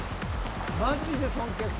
マジで尊敬する。